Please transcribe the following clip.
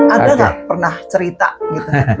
anda nggak pernah cerita gitu